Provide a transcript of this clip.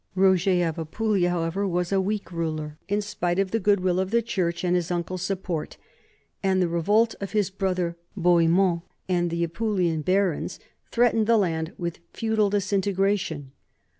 Roger of Apulia, however, was a weak ruler, in spite of the good will of the church and his uncle's support, and the re volt of his brother Bohemond and the Apulian barons threatened the land with feudal disintegration.